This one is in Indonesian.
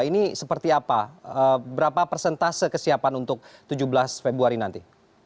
ini seperti apa berapa persentase kesiapan untuk tujuh belas februari nanti